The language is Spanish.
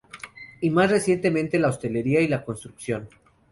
Y más recientemente la hostelería y la construcción.